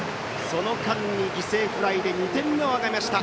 その間に犠牲フライで２点目を挙げました。